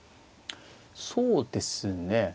そうですね。